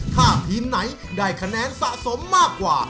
ถ้าทีมไหนได้คะแนนสะสมมากกว่า